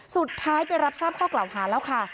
สุดท้ายไปรับทราบข้อกล่าวหาแล้วค่ะ